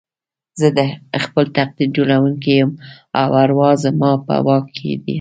زه د خپل تقدير جوړوونکی يم او اروا زما په واک کې ده.